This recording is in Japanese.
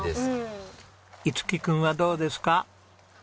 樹君はどうですか？